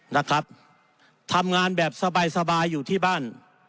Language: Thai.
นะครับทำงานแบบสบายสบายอยู่ที่บ้าน